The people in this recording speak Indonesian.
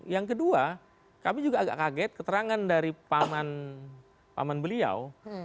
yang kedua kami juga agak kaget keterangan dari paman beliau